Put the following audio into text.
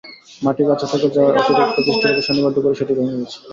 মাটি কাঁচা থেকে যাওয়ায় অতিরিক্ত বৃষ্টিপাতে শনিবার দুপুরে সেটি ভেঙে গেছে।